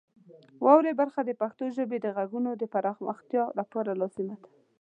واورئ برخه د پښتو ژبې د غږونو د پراختیا لپاره لازمه ده.